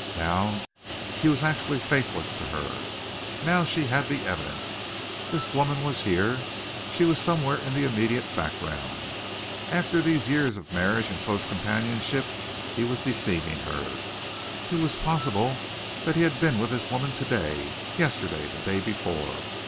Now he was actually faithless to her. Now she had the evidence. This woman was here. She was somewhere in the immediate background. After these years of marriage and close companionship he was deceiving her. It was possible that he had been with this woman today, yesterday, the day before.